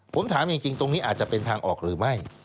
ผมถามจริงตรงนี้อาจจะเป็นทางออกหรือไม่